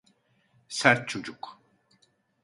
Sert çocuk.